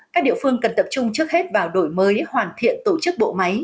các địa phương cần tập trung trước hết vào đổi mới hoàn thiện tổ chức bộ máy